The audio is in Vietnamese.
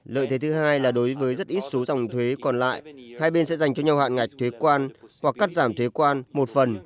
lợi thế thứ hai là đối với rất ít số dòng thuế còn lại hai bên sẽ dành cho nhau hạn ngạch thuế quan hoặc cắt giảm thuế quan một phần